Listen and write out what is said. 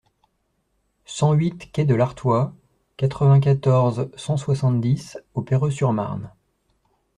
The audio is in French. cent huit quai de l'Artois, quatre-vingt-quatorze, cent soixante-dix au Perreux-sur-Marne